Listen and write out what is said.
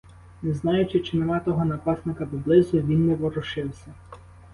Не знаючи, чи нема того напасника поблизу, він не ворушився.